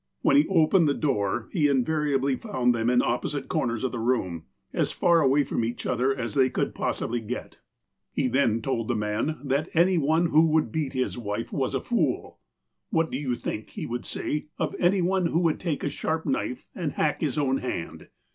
When he opened the door, he invariably found them in opposite corners of the room, as far away from each other as they could possibly get. 206 THE APOSTLE OF ALASKA He then told the man that any one who would beat his wife was a fool. "What would you think," he would say, "of any one who would take a sharp knife and hack his own hand